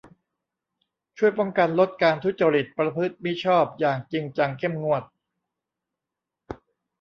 ช่วยป้องกันลดการทุจริตประพฤติมิชอบอย่างจริงจังเข้มงวด